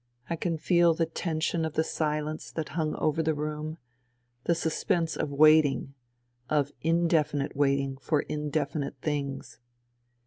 I can feel the tension of the silence that hung over the room, the suspense of waiting — of indefinite waiting for indefinite things.